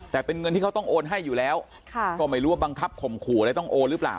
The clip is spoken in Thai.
แต่เป็นเงินที่เขาต้องโอนให้อยู่แล้วก็ไม่รู้ว่าบังคับข่มขู่อะไรต้องโอนหรือเปล่า